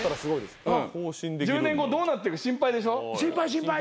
１０年後どうなってるか心配でしょ？心配心配。